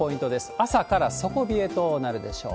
朝から底冷えとなるでしょう。